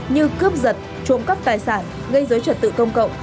như cướp giật trộm cắp tài sản gây dối trật tự công cộng